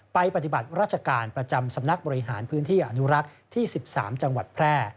ปฏิบัติราชการประจำสำนักบริหารพื้นที่อนุรักษ์ที่๑๓จังหวัดแพร่